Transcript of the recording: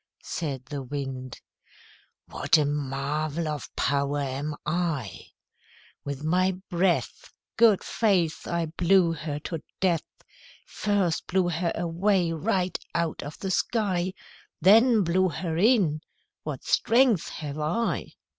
Said the Wind "What a marvel of power am I! With my breath, Good faith! I blew her to death First blew her away right out of the sky Then blew her in; what strength have I!"